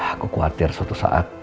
aku khawatir suatu saat